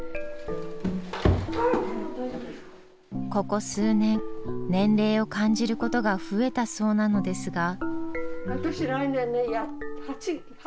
ここ数年年齢を感じることが増えたそうなのですが。